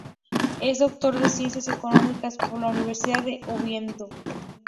Es doctor en Ciencias Económicas por la Universidad de Oviedo.